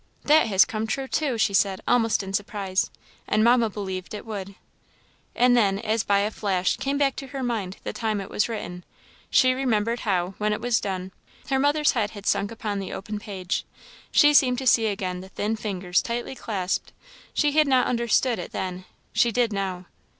"That has come true, too!" she said, almost in surprise "and Mamma believed it would." And then, as by a flash, came back to her mind the time it was written; she remembered how, when it was done, her mother's head had sunk upon the open page she seemed to see again the thin fingers tightly clasped she had not understood it then she did now.